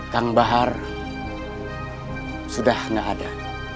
kang bahar sudah tidak ada